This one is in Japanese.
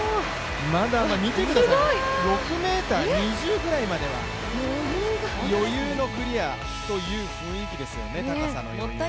見てください、６ｍ２０ぐらいまでは余裕のクリアという雰囲気ですよね、高さの余裕が。